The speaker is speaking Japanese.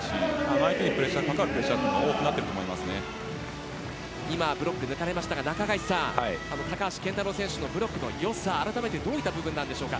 相手にかかるプレッシャーがブロックが抜かれましたが高橋健太郎選手のブロックの良さ改めてどういった部分ですか。